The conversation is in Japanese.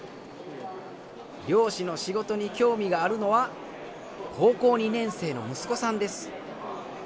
漁師の仕事に興味があるのは高校２年生の息子さんです。